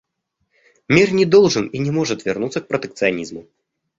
Мир не должен и не может вернуться к протекционизму.